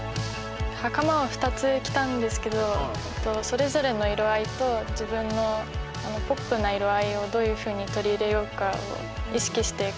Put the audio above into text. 袴を２つ着たんですけどそれぞれの色合いと自分のポップな色合いをどういうふうに取り入れようかを意識して描きました。